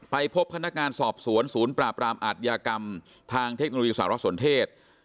ไปพบคณะการสอบสวนศูนย์ปราบรามอัดยากรรมทางเทคโนโลยีสหรัฐสนเทศ